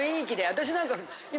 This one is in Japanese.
私なんか今。